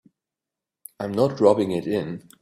I'm not rubbing it in.